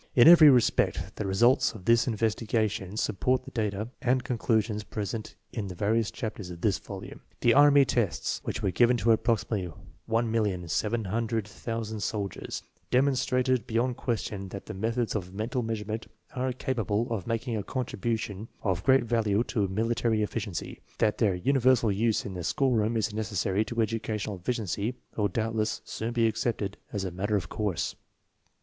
In every respect the results of this investigation sup port the data and conclusions presented in the vari ous chapters of this volume. The army tests, which were given to approximately 1,700,000 soldiers, demon strated beyond question that the methods of mental measurement are capable of making a contribution of great value to military efficiency. That their univer sal use in the schoolroom is necessary to educational efficiency will doubtless soon be accepted as a matter of course.